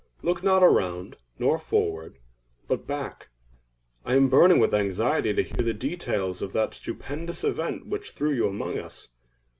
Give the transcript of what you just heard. Look not around, nor forward—but back. I am burning with anxiety to hear the details of that stupendous event which threw you among us.